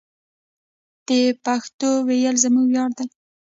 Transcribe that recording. د پښتو ویل زموږ ویاړ دی.